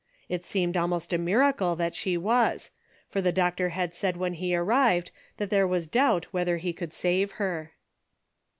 It seemed almost a miracle that she was, for the doctor had said when he arrived that there was doubt whether he could save her.